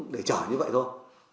để trả như vậy thôi